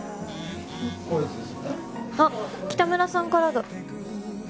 あっ北村さんからだ。